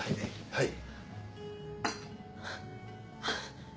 はい。